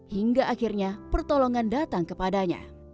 hingga akhirnya pertolongan datang kepadanya